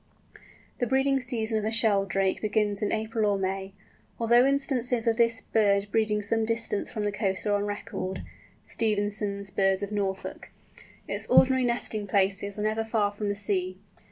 The breeding season of the Sheldrake begins in April or May. Although instances of this bird breeding some distance from the coast are on record (Stevenson's Birds of Norfolk), its ordinary nesting places are never far from the sea.